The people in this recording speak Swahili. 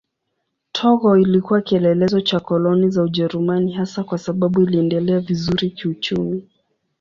Togo ilikuwa kielelezo cha koloni za Ujerumani hasa kwa sababu iliendelea vizuri kiuchumi.